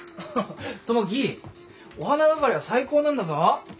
友樹お花係は最高なんだぞ。